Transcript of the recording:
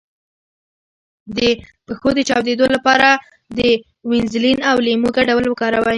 د پښو د چاودیدو لپاره د ویزلین او لیمو ګډول وکاروئ